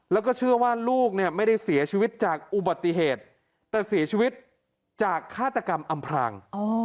แล้วก็เชื่อว่าลูกเนี่ยไม่ได้เสียชีวิตจากอุบัติเหตุแต่เสียชีวิตจากฆาตกรรมอำพราง